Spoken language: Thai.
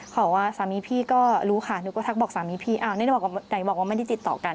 เขาอ่ะสามีพี่ก็รู้ค่ะหนูก็ทักบอกสามีพี่อ้าวนี่หนูบอกไหนบอกว่าไม่ได้ติดต่อกัน